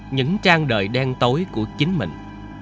những trang đời đen tối của chính mình